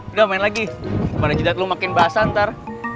udah main lagi kepada jidat lo makin basah ntar